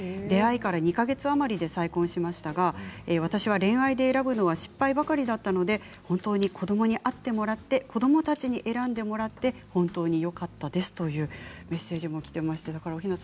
出会いから２か月余りで再婚しましたが私は恋愛で選ぶのは失敗ばかりだったので本当に子どもに会ってもらって子どもたちに選んでもらって本当によかったですというメッセージもきています。